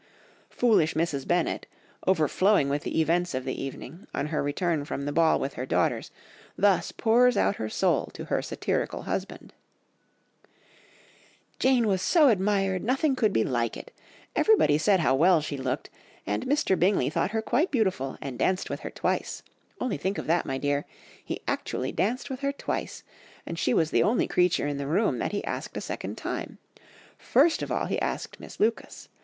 Foolish Mrs. Bennet, overflowing with the events of the evening, on her return from the ball with her daughters, thus pours out her soul to her satirical husband— "'Jane was so admired, nothing could be like it. Everybody said how well she looked; and Mr. Bingley thought her quite beautiful, and danced with her twice. Only think of that, my dear, he actually danced with her twice; and she was the only creature in the room that he asked a second time. First of all he asked Miss Lucas.